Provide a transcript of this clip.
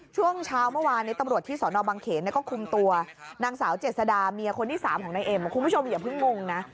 ช่วงเช้าเมื่อวานนี้ตำรวจที่สนบังเขนก็คุมตัวนางสาวเจษดาเมียคนที่๓ของนายเอ็มคุณผู้ชมอย่าเพิ่งงงนะ